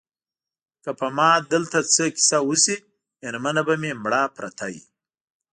که په ما دلته څه کیسه وشي مېرمنه به مې مړه پرته وي.